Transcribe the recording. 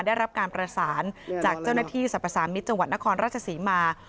ได้รับการประสานจากเจ้าหน้าที่สรรพสามิตรจังหวัดนครราชศรีมา